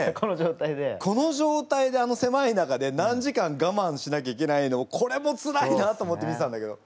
この状態であのせまい中で何時間がまんしなきゃいけないのをこれもつらいなと思って見てたんだけど。